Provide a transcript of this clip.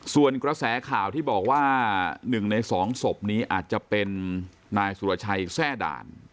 ส่วนกระแสข่าวที่บอกว่า๑ใน๒ศพนี้อาจจะเป็นนายสุรชัยแทร่ด่าน